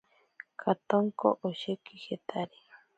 Katonko osheki jetari.